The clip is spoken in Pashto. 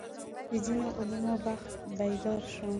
د ځینو علومو بخت بیدار شو.